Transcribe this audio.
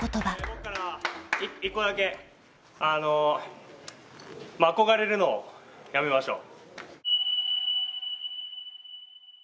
僕からは１個だけ、憧れるのをやめましょう。